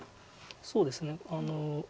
そうですね。